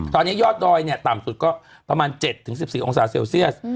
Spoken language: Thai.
ตอนนี้ยอดดอยต่ำสุดก็ประมาณ๗๑๔องศาเซลเซียส